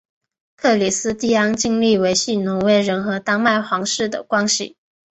克里斯蒂安尽力维系挪威人和丹麦王室的关系。